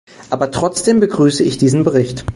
Aber trotzdem begrüße ich diesen Bericht.